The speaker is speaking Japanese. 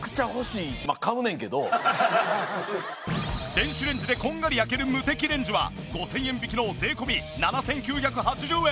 電子レンジでこんがり焼けるムテキレンジは５０００円引きの税込７９８０円。